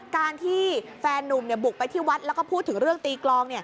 การที่แฟนนุ่มบุกไปที่วัดแล้วก็พูดถึงเรื่องตีกลอง